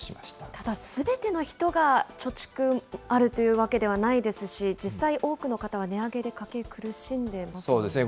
ただ、すべての人が貯蓄あるというわけではないですし、実際、多くの方は値上げで家計、苦しんでいますよね。